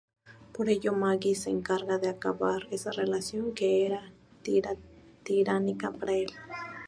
Por ello Maggie se encarga de acabar esa relación, que era tiránica para el.